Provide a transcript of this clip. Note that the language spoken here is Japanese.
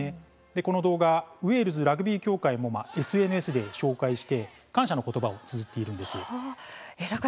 この動画ウェールズラグビー協会もＳＮＳで紹介して感謝の言葉をつづっているということです。